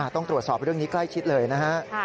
ต้องตรวจสอบเรื่องนี้ใกล้ชิดเลยนะฮะ